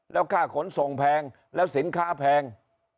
แล้วค่าขนส่งแพงแล้วสินค้าแพง